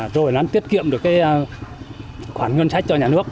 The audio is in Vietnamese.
rồi nó tiết kiệm được cái khoản ngân sách cho nhà nước